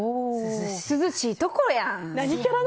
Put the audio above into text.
涼しいところやん。